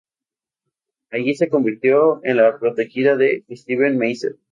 Allí se convirtió en la protegida de Steven Meisel.